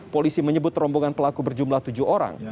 polisi menyebut rombongan pelaku berjumlah tujuh orang